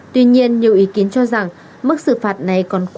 tuy nhiên nhiều ý kiến cho rằng mức xử phạt này còn khá